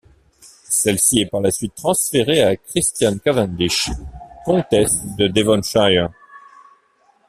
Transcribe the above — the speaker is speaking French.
Celle-ci est par la suite transférée à Christian Cavendish, comtesse de Devonshire.